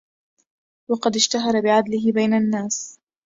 وقد أشتهر بعدله بين الناس